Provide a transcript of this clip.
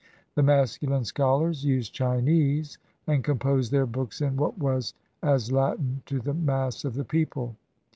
The mas culine scholars used Chinese, and composed their books in what was as Latin to the mass of the people.